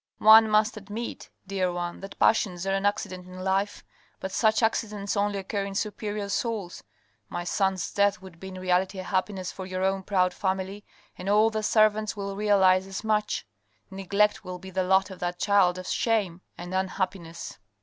" One must admit, dear one, that passions are an accident in life, but such accidents only occur in superior souls. ... My son's death would be in reality a happiness for your own proud family, and all the servants will realize as much. Neglect will be the lot of that child of shame and unhappiness.